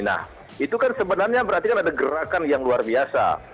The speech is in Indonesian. nah itu kan sebenarnya berarti kan ada gerakan yang luar biasa